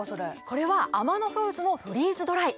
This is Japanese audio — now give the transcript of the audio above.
これはアマノフーズのフリーズドライ。